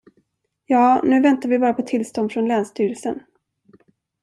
Ja, nu väntar vi bara på tillstånd från länsstyrelsen.